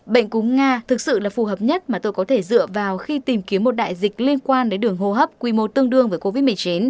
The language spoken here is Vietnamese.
bệnh cúng nga thực sự là phù hợp nhất mà tôi có thể dựa vào khi tìm kiếm một đại dịch liên quan đến đường hô hấp quy mô tương đương với covid một mươi chín